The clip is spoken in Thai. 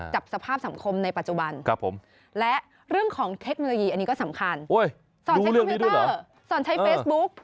กับสภาพสังคมในปัจจุบันและเรื่องของเทคโนโลยีอันนี้ก็สำคัญสอนใช้คอมพิวเตอร์สอนใช้เฟซบุ๊ก